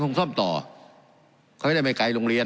การปรับปรุงทางพื้นฐานสนามบิน